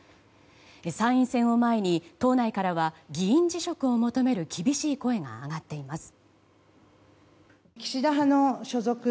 参院選を前に、党内からは議員辞職を求める厳しい声が上がっています。